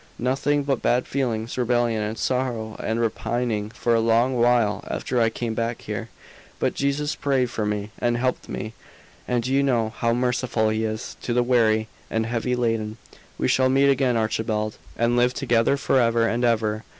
Nothing but bad feelings, rebellion, and sorrow, and repining, for a long while after I came back here, but Jesus prayed for me, and helped me, and you know how merciful He is to the weary and heavy laden. We shall meet again, Archibald, and live together forever and ever.